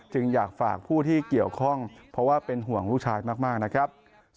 จึงอยากฝากผู้ที่เกี่ยวข้องเพราะว่าเป็นห่วงลูกชายมากนะครับ